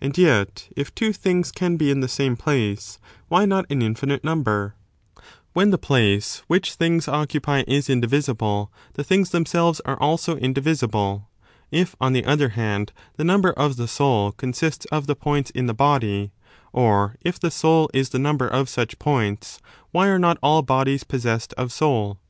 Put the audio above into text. And yet if two things can be in the same place, why not an infinite number? When the place which things occupy is indivisible, the things themselves are also indivisible. If, on the other hand, the number of the soul consists of the ar points in the body, or if the soul is the number of such points, why are not all bodies possessed of soul?